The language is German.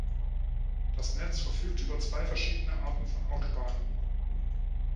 Das Netz verfügt über zwei verschiedene Arten von Autobahnen.